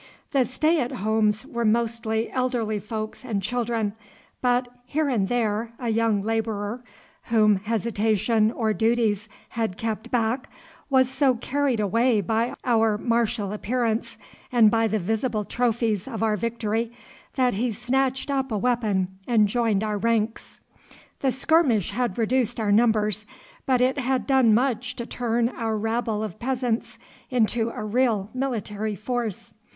The stay at homes were mostly elderly folks and children, but here and there a young labourer, whom hesitation or duties had kept back, was so carried away by our martial appearance, and by the visible trophies of our victory, that he snatched up a weapon and joined our ranks. The skirmish had reduced our numbers, but it had done much to turn our rabble of peasants into a real military force.